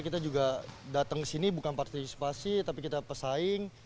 kita juga datang kesini bukan partisipasi tapi kita pesaing